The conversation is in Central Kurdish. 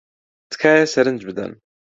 تکایە سەرنج بدەن.